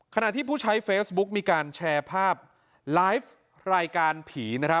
ขณะที่ผู้ใช้เฟซบุ๊กมีการแชร์ภาพไลฟ์รายการผี